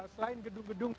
selain gedung gedung itu